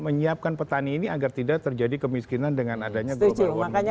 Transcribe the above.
menyiapkan petani ini agar tidak terjadi kemiskinan dengan adanya global warning